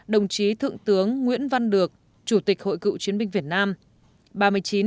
ba mươi tám đồng chí thượng tướng nguyễn văn được chủ tịch hội cựu chiến binh việt nam